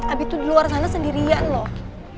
abi tuh di luar sana sendirian loh